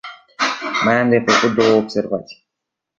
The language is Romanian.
Mai am de făcut două observații.